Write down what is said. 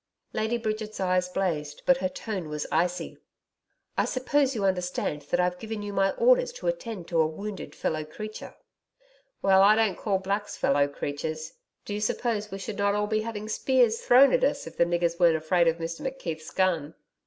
Lady Bridget's eyes blazed, but her tone was icy. 'I suppose you understand that I've given you my orders to attend to a wounded fellow creature.' 'Well, I don't call Blacks fellow creatures. Do you suppose we should not all be having spears thrown at us if the niggers weren't afraid of Mr McKeith's gun?'